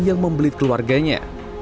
yang membelit keluarganya